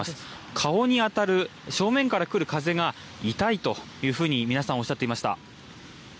顔に当たる、正面から来る風が、痛いというふうに皆さんおっしゃっていました。